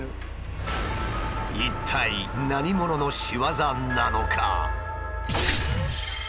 一体何者の仕業なのか？